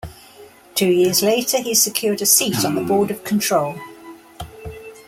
Two years later, he secured a seat on the Board of Control.